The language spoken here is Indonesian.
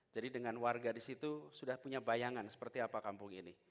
jadi dengan warga disitu sudah punya bayangan seperti apa kampung ini